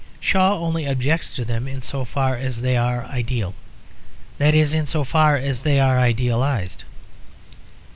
Shaw only objects to them in so far as they are ideal; that is in so far as they are idealised.